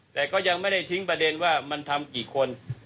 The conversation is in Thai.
แต่ก็ยังไม่ได้ทิ้งประเด็นว่ามันทำกี่คน